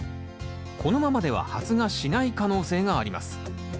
このままでは発芽しない可能性があります。